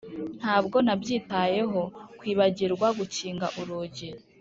ntabwo nabyitayeho kwibagirwa gukinga urugi.